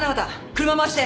車回して！